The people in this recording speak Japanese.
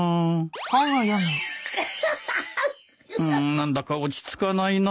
何だか落ち着かないな